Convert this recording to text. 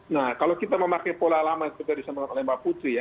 nah kalau kita memakai pola alamat seperti yang disampaikan oleh mbak putri